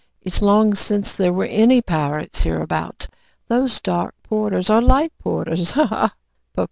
It's long since there were any pirates hereabout. Those dark porters are light porters. Ha, ha!"